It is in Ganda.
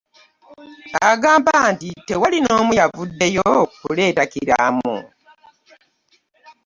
Agamba nti tewali n'omu yaavuddeyo kuleeta kiraamo